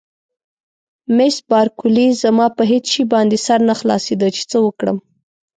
مس بارکلي: زما په هېڅ شي باندې سر نه خلاصېده چې څه وکړم.